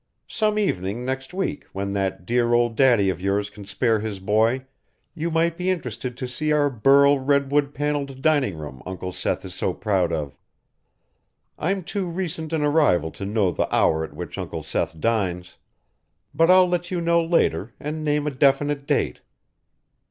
Some evening next week, when that dear old daddy of yours can spare his boy, you might be interested to see our burl redwood panelled dining room Uncle Seth is so proud of. I'm too recent an arrival to know the hour at which Uncle Seth dines, but I'll let you know later and name a definite date.